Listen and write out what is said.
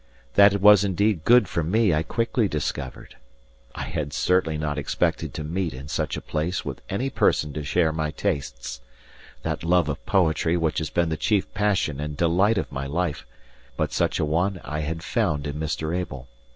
That it was indeed good for me I quickly discovered. I had certainly not expected to meet in such a place with any person to share my tastes that love of poetry which has been the chief passion and delight of my life; but such a one I had found in Mr. Abel.